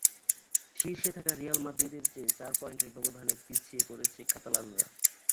শীর্ষে থাকা রিয়াল মাদ্রিদের চেয়ে চার পয়েন্টের ব্যবধানে পিছিয়ে পড়েছে কাতালানরা।